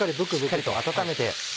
しっかりと温めて。